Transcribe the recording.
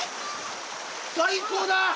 最高だ！